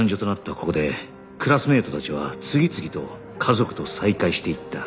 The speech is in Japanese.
ここでクラスメートたちは次々と家族と再会していった